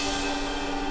ini adalah kelebihan